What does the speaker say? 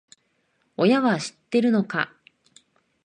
親は知ってるのか？